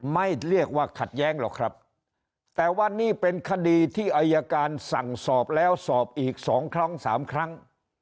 เรียกว่าขัดแย้งหรอกครับแต่ว่านี่เป็นคดีที่อายการสั่งสอบแล้วสอบอีกสองครั้งสามครั้ง